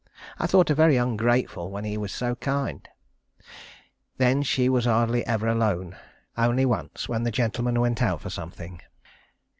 I thought her very ungrateful when he was so kind. Then she was hardly ever alone. Only once when the gentleman went out for something.